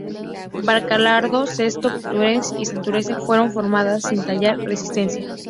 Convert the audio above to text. Baracaldo, Sestao, Portugalete y Santurce fueron tomadas sin hallar resistencia.